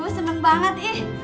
aduh seneng banget ih